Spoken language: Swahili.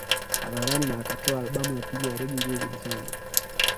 Hadharani na akatoa albamu ya pili ya rege iliyojulikana